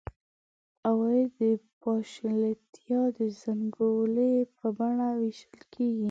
عواید د پاشلتیا د زنګولې په بڼه وېشل کېږي.